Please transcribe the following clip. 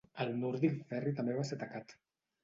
El Nordic Ferry també va ser atacat.